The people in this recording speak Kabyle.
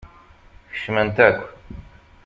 Kecment akk.